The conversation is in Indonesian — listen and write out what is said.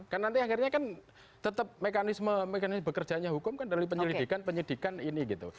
karena nanti akhirnya kan tetap mekanisme bekerjaannya hukum kan dari penyelidikan penyelidikan ini gitu